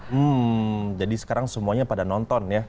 hmm jadi sekarang semuanya pada nonton ya